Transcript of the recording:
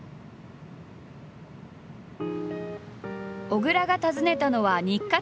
小倉が訪ねたのは日活